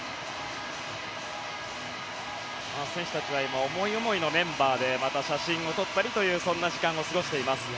選手たちは今思い思いのメンバーでまた写真を撮ったりというそんな時間を過ごしています。